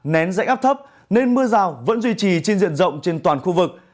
nén dạnh áp thấp nên mưa rào vẫn duy trì trên diện rộng trên toàn khu vực